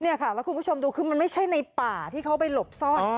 แล้วคุณผู้ชมดูคือมันไม่ใช่ในป่าที่เขาไปหลบซ่อน